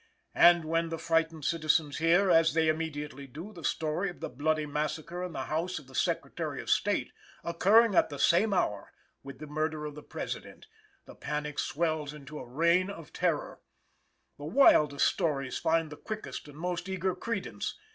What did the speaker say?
And when the frightened citizens hear, as they immediately do, the story of the bloody massacre in the house of the Secretary of State, occurring at the same hour with the murder of the President, the panic swells into a reign of terror. The wildest stories find the quickest and most eager credence.